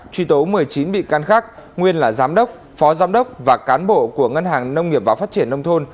truy tố một mươi chín bị can khác nguyên là giám đốc phó giám đốc và cán bộ của ngân hàng nông nghiệp và phát triển nông thôn